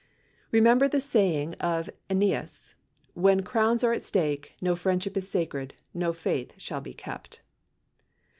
Remember the say ing of Ennius, "When crowns are at stake, no friendship is sacred, no faith shall be kept."